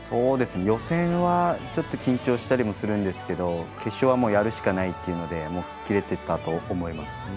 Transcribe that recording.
予選は緊張したりするんですけど決勝はやるしかないというので吹っ切れていたと思います。